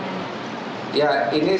apakah memang pembunuh pembunuh itu